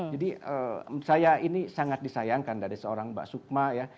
jadi saya ini sangat disayangkan dari seorang mbak sukma ya